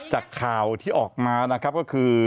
จากข่าวที่ออกมาก็คือ